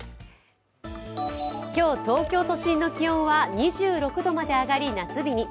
今日、東京都心の気温は２６度まで上がり、夏日に。